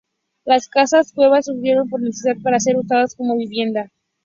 Las casas cueva surgieron por necesidad, para ser usadas como vivienda.